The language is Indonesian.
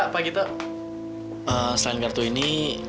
pak gito selain kartu ini